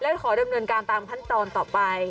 และขอดำเนินการตามขั้นตอนต่อไป